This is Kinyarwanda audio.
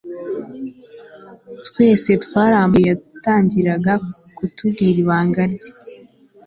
Twese twari amatwi igihe yatangiraga kutubwira ibanga rye